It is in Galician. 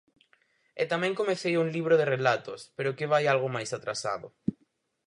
E tamén comecei un libro de relatos, pero que vai algo máis atrasado.